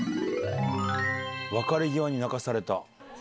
別れ際に泣かされた？